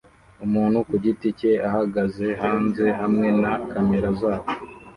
Umuntu ku giti cye ahagaze hanze hamwe na kamera zabo